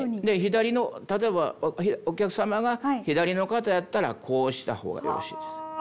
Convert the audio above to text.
で左の例えばお客様が左の方やったらこうした方がよろしいです。